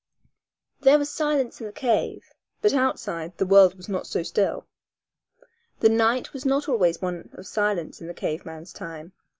There was silence in the cave, but, outside, the world was not so still. The night was not always one of silence in the cave man's time.